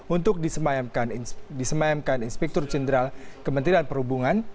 untuk disemayamkan inspektur jenderal kementerian perhubungan